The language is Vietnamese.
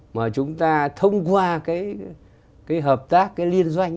mà chúng ta thông qua cái hợp tác cái liên doanh